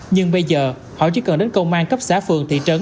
nhưng bây giờ họ chỉ cần đến công an cấp xã phường thị trấn